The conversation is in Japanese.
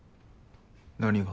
何が？